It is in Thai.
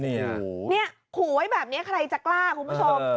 เนี่ยขู่ไว้แบบนี้ใครจะกล้าคุณผู้ชม